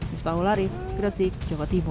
nifta ulari gresik jawa timur